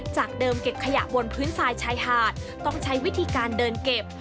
จากเดิมเก็บขยะบนพื้นทรายชายหาดต้องใช้วิธีการเดินเก็บ